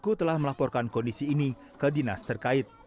mengaku telah melaporkan kondisi ini ke dinas terkait